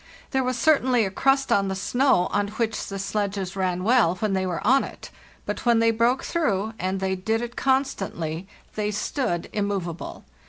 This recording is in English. There was certainly a crust on the snow, on which the sledges ran well when and they were on it; but when they broke through they did it constantly—they stood immovable.